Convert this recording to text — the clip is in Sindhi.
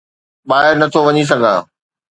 ٻاهر نه ٿو وڃي سگهان